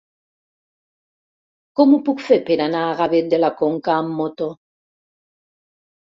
Com ho puc fer per anar a Gavet de la Conca amb moto?